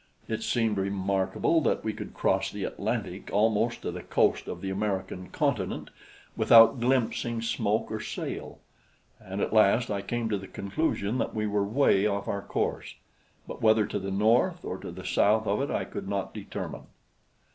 It seemed remarkable that we could cross the Atlantic almost to the coast of the American continent without glimpsing smoke or sail, and at last I came to the conclusion that we were way off our course, but whether to the north or to the south of it I could not determine.